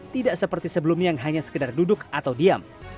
tidak seperti sebelumnya yang hanya sekedar duduk atau diam